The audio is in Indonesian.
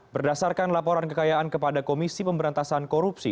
berdasarkan laporan kekayaan kepada komisi pemberantasan korupsi